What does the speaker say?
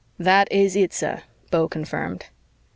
"That is it, sir," Beau confirmed.